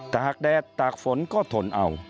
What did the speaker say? ตากแดดตากฝนก็ทนเอา